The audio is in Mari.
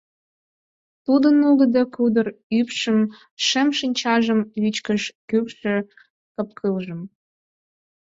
Тудын нугыдо кудыр ӱпшым, шем шинчажым, вичкыж кӱкшӧ капкылжым.